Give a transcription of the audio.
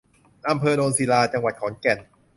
อำเภอโนนศิลา จังหวัดขอนแก่น